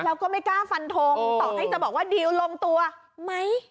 แล้วก็ไม่กล้าฟันทงต่อให้จะบอกว่าดิวลงตัวไหม